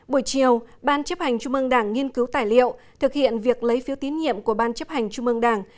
buổi chiều ban chấp hành trung mương đảng nghiên cứu tài liệu thực hiện việc lấy phiếu tín nhiệm của ban chấp hành trung mương đảng